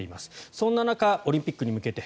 そんな中オリンピックに向けて。